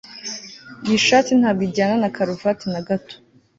Iyi shati ntabwo ijyana na karuvati na gato